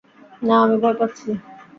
না, আমি ভয় পাচ্ছি।